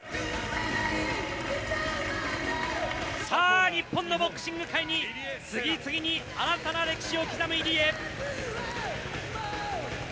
さぁ、日本のボクシング界に次々に新たな歴史を刻む入江。